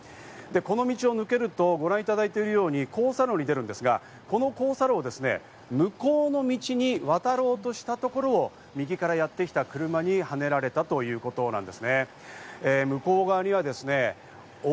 この道を抜けるとご覧いただいているように、交差路に出るんですが、この交差路を向こうの道に渡ろうとしたところを右からやってきた車にはねられたということなんですね。